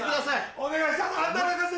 お願いします